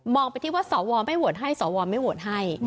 มองไปที่สอวรไม่โหวตให้สอวรไม่โหวตให้